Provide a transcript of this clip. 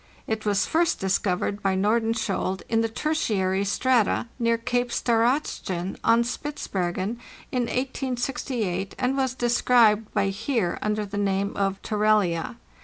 It was first discovered by Nordenskiéld in the Tertiary strata near Cape Staratschin, on Spitzbergen, in PLANT FOSSILS 1868, and was described by Heer under the name of Torellia.